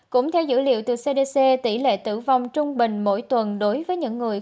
cũng theo dữ liệu từ cdc tỷ lệ tử vong trung bình mỗi tuần đối với những người